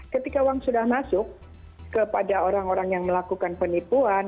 ketika uang sudah masuk kepada orang orang yang melakukan penipuan